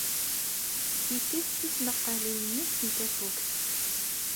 Yekkes tismaqqalin-nnes n tafukt.